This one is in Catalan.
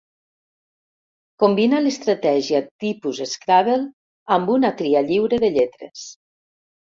Combina l'estratègia tipus Scrabble amb una tria lliure de lletres.